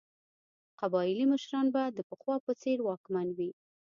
قبایلي مشران به د پخوا په څېر واکمن وي.